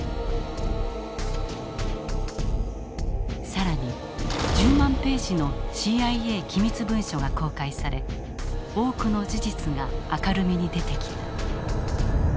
更に１０万ページのＣＩＡ機密文書が公開され多くの事実が明るみに出てきた。